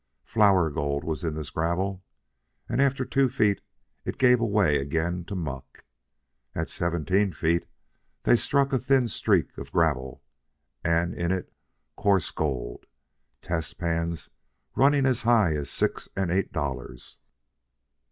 Flour gold was in this gravel, and after two feet it gave away again to muck. At seventeen feet they struck a thin streak of gravel, and in it coarse gold, testpans running as high as six and eight dollars.